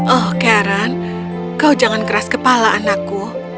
oh karen kau jangan keras kepala anakku